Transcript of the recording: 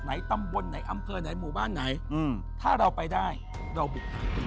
นายตำบนไหนอำเฟิร์นหมู่บ้านไหนถ้าเราไปได้เริ่มปลุก